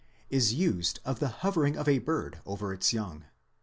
11, is used of the hovering of a bird over its young.